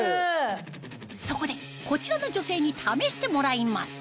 そこでこちらの女性に試してもらいます